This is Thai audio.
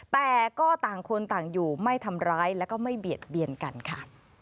แต่ก็ต่างคนต่างอยู่ไม่ทำร้ายแล้วก็ไม่เบียดเบียนกันค่ะ